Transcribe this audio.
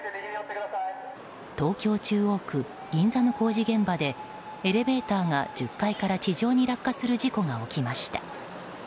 東京・中央区銀座の工事現場でエレベーターが１０階から地上に落下する事故が起きました。